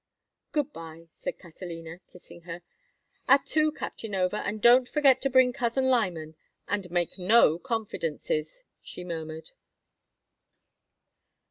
"Good bye," said Catalina, kissing her. "At two, Captain Over, and don't forget to bring Cousin Lyman. And make no confidences," she murmured.